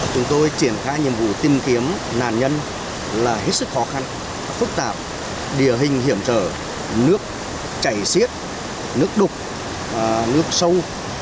chúng tôi triển khai nhiệm vụ tìm kiếm nạn nhân là hết sức khó khăn phức tạp địa hình hiểm trở nước chảy xiết nước đục nước sâu